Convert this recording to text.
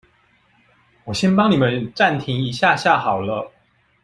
我先幫你們暫停一下下好了